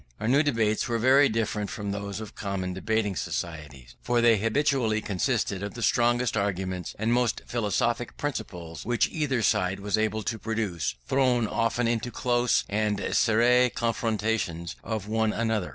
Our debates were very different from those of common debating societies, for they habitually consisted of the strongest arguments and most philosophic principles which either side was able to produce, thrown often into close and serré confutations of one another.